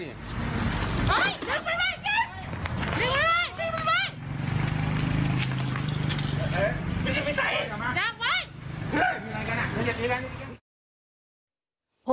มีอะไรกันอ่ะ